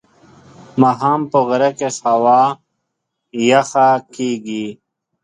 ماښام په غره کې هوا یخه کېږي.